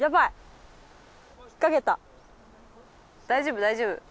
大丈夫大丈夫。